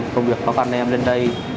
công việc khó khăn em lên đây